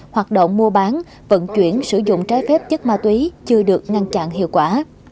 hoạt động mua bán vận chuyển sử dụng trái phép chất ma túy chưa được ngăn chặn hiệu quả